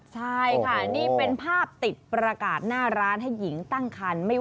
ใช่ค่ะนี่เป็นภาพติดประกาศหน้าร้านให้หญิงตั้งคัน